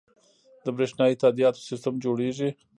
د بریښنایی تادیاتو سیستم جوړیږي